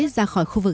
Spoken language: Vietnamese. ra khỏi khu vực